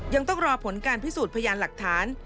ยังต้องรอผลการพิสูจน์พยานหลักฐาน